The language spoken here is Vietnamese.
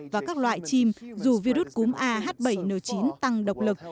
và các loại chim dù virus cúm a h bảy n chín tăng độc lực